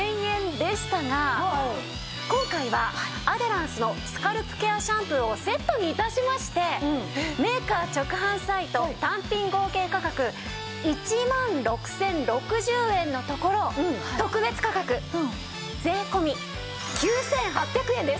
今回はアデランスのスカルプケアシャンプーをセットに致しましてメーカー直販サイト単品合計価格１万６０６０円のところ特別価格税込９８００円です！